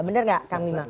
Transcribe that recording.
benar gak kang bima